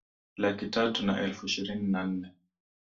laki tatu na elfu ishirini na nne